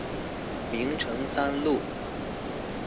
明誠三路